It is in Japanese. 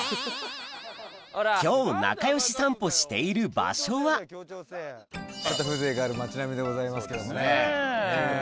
今日仲良し散歩している場所は風情がある町並みでございますけどもね。